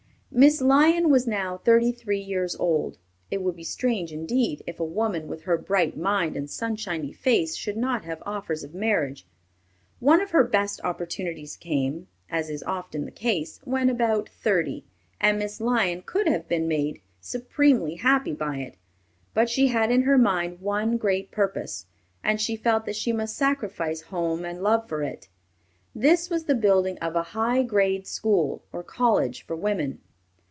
Miss Lyon was now thirty three years old. It would be strange indeed if a woman with her bright mind and sunshiny face should not have offers of marriage. One of her best opportunities came, as is often the case, when about thirty, and Miss Lyon could have been made supremely happy by it, but she had in her mind one great purpose, and she felt that she must sacrifice home and love for it. This was the building of a high grade school or college for women.